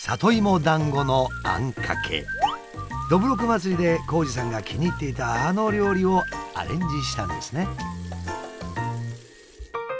どぶろく祭りで紘二さんが気に入っていたあの料理をアレンジしたんですね。